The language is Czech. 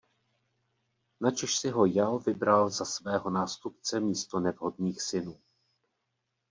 Načež si ho Jao vybral za svého nástupce místo nevhodných synů.